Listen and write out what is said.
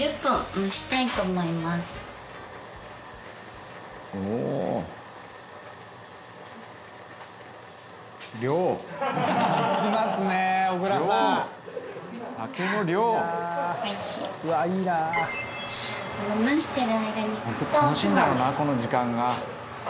「楽しいんだろうなこの時間が」